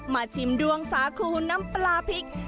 ชิมดวงสาคูน้ำปลาพริก